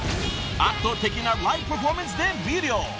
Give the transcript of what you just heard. ［圧倒的なライブパフォーマンスで魅了］